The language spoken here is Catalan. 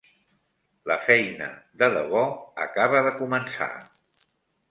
La feina de debò acaba de començar.